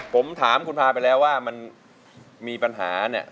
ผมถามคุณพาไปแล้วว่ามันมีปัญหาเนี่ย